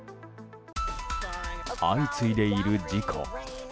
相次いでいる事故。